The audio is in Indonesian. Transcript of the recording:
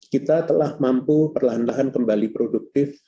kita telah mampu perlahan lahan kembali produktif